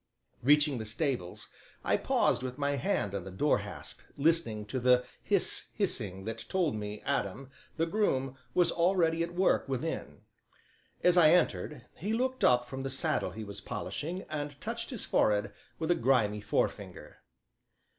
Reaching the stables, I paused with my hand on the door hasp, listening to the hiss, hissing that told me Adam, the groom, was already at work within. As I entered he looked up from the saddle he was polishing and touched his forehead with a grimy forefinger.